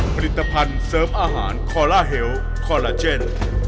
ผลิตภัณฑ์เสริมอาหารคอลลาเฮลคอลลาเจน